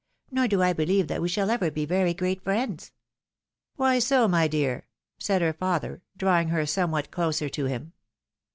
Nor do I believe that we shall ever be very great friends." " Why so, my dear ?" said her father, drawing her somewhat closer to him.